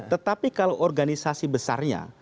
tetapi kalau organisasi besarnya